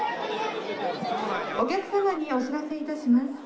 お客様にお知らせいたします。